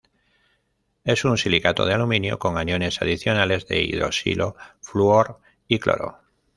Es un silicato de aluminio con aniones adicionales de hidroxilo, flúor y cloro.